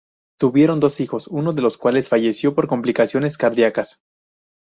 Tuvieron dos hijos, uno de los cuales falleció por complicaciones cardiacas.